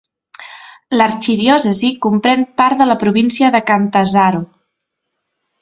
L'arxidiòcesi comprèn part de la província de Catanzaro.